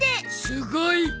すごい！